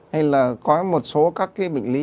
hay là có một số các cái bệnh lý